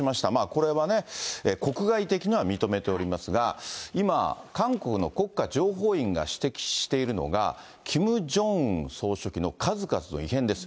これはね、国外的には認めておりますが、今、韓国の国家情報院が指摘しているのが、キム・ジョンウン総書記の数々の異変です。